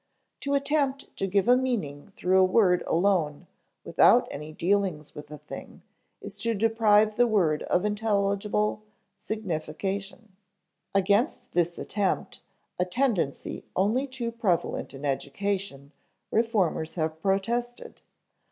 To attempt to give a meaning through a word alone without any dealings with a thing is to deprive the word of intelligible signification; against this attempt, a tendency only too prevalent in education, reformers have protested.